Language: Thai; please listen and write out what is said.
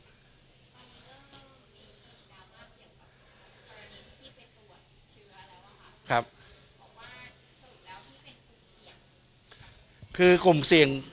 บอกว่าสมมุติแล้วนี่เป็นคุณเคียง